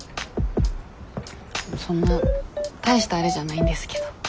そんな大したあれじゃないんですけど。